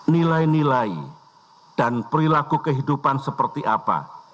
nilai nilai dan perilaku kehidupan seperti apa